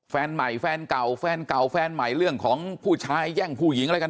แฟนใหม่แฟนเก่าแฟนเก่าแฟนใหม่เรื่องของผู้ชายแย่งผู้หญิงอะไรกัน